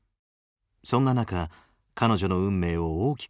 そんな中彼女の運命を大きく変えた曲がある。